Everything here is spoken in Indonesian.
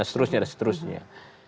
dan seterusnya dan seterusnya